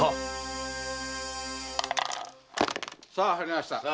さあ入りました。